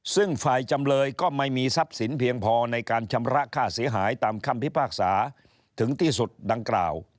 ซึ่งฝ่ายจำเลยก็ไม่มีทรัพย์สินเพียงพอในการชำระค่าเสียหายตามคำพิพากษาถึงที่สุดดังกล่าว